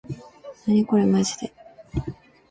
なにこれまじで